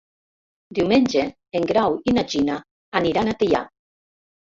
Diumenge en Grau i na Gina aniran a Teià.